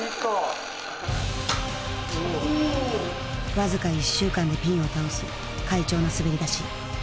僅か１週間でピンを倒す快調な滑り出し。